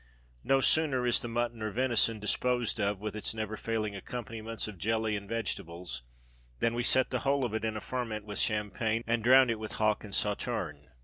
No sooner is the mutton or venison disposed of, with its never failing accompaniments of jelly and vegetables, than we set the whole of it in a ferment with champagne, and drown it with hock and sauterne.